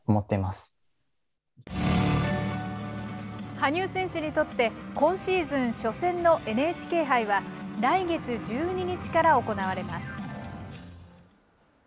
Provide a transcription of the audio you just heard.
羽生選手にとって、今シーズン初戦のＮＨＫ杯は、来月１２日から行われます。